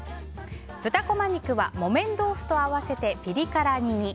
豚こま肉は、木綿豆腐と合わせてピリ辛煮に。